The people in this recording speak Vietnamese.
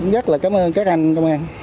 rất là cảm ơn các anh công an